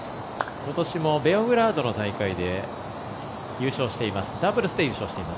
ことしもベオグラードの大会でダブルスで優勝しています。